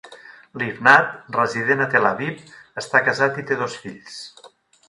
Livnat, resident a Tel Aviv, està casat i té dos fills.